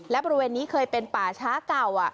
และบริเวณนี้เคยเป็นป่าช้าเก่า